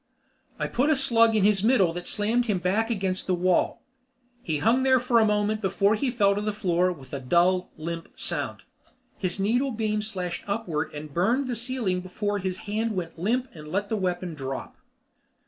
I put a slug in his middle that slammed him back against the wall. He hung there for a moment before he fell to the floor with a dull, limp sound. His needle beam slashed upward and burned the ceiling before his hand went limp and let the weapon drop.